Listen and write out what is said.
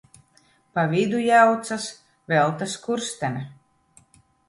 Pa vidu jaucas: Velta Skurstene.